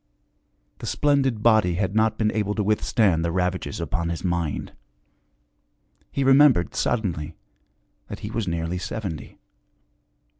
The splendid body had not been able to with stand the ravages upon his mind; he remembered suddenly that he was nearly seventy.